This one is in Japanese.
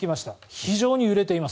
非常に揺れています。